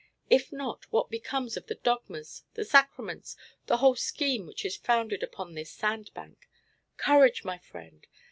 If not, what becomes of the dogmas, the sacraments, the whole scheme which is founded upon this sand bank? Courage, my friend!